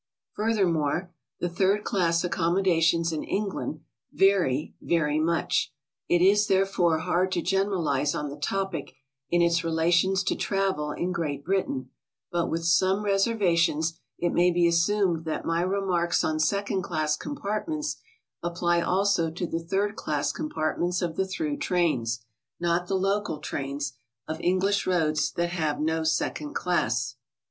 Furthermore, the third class accommo dations in England vary very much. It is, therefore, hard to generalize on the topic in its relations to travel in Great Britain, but with some reservations it may be assumed that my remarks on second class compartments apply also to the third class compartments of the through trains, not the local trains, of English roads that have no second class.